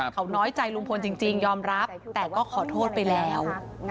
เขาน้อยใจลุงพลจริงยอมรับแต่ก็ขอโทษไปแล้ว